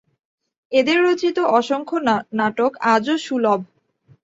এঁদের রচিত অসংখ্য নাটক আজও সুলভ।